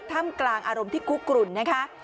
ถ้ำกลางอารมณ์ที่คุกกลุ่นนะคะ